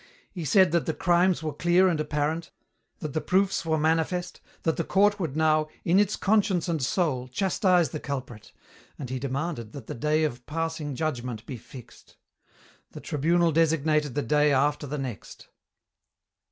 He said that the crimes were "clear and apparent," that the proofs were manifest, that the court would now "in its conscience and soul" chastise the culprit, and he demanded that the day of passing judgment be fixed. The Tribunal designated the day after the next.